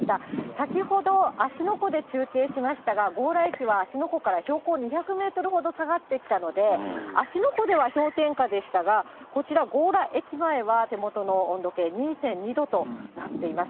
先ほど芦ノ湖で中継しましたが、強羅駅は芦ノ湖から標高２００メートルほど下がってきたので、芦ノ湖では氷点下でしたが、こちら、強羅駅前は手元の温度計２．２度となっています。